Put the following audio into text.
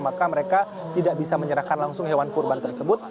maka mereka tidak bisa menyerahkan langsung hewan kurban tersebut